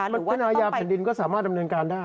มันอาญาแผ่นดินก็สามารถดำเนินการได้